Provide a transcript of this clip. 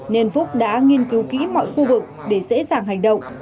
nên phúc đã nghiên cứu kỹ mọi khu vực để dễ dàng hành động